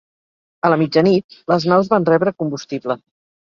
A la mitjanit, les naus van rebre combustible.